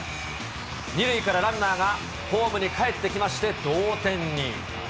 ２塁からランナーがホームにかえってきまして、同点に。